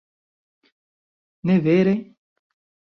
Ne vere?